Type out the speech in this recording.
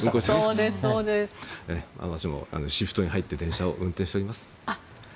私もシフトに入って電車を運転しております。